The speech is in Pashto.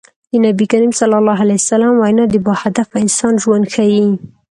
د نبي کريم ص وينا د باهدفه انسان ژوند ښيي.